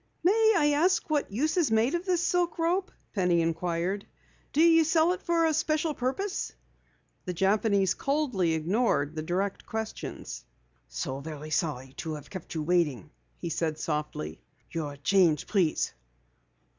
"May I ask what use is made of this silk rope?" Penny inquired. "Do you sell it for a special purpose?" The Japanese coldly ignored the direct questions. "So very sorry to have kept you waiting," he said softly. "Your change please."